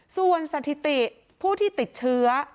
ส่วนสถิติผู้ที่ติดเชื้อ